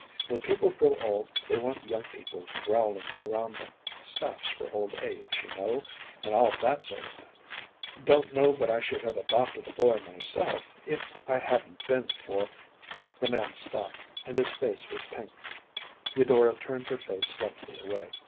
When people grow old they want young people growing around them, staffs for old age, you know, and all that sort of thing. Don’t know but I should have adopted a boy myself if it hadn’t been for ‚ÄĚ The man stopped, and his face was pink. Eudora turned her face slightly away.